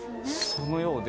そのようで。